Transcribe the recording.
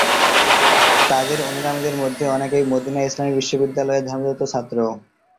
তাদের অনুগামীদের মধ্যে অনেকেই মদিনা ইসলামী বিশ্ববিদ্যালয়ে ধর্মতত্ত্ব ছাত্র।